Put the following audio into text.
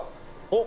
お！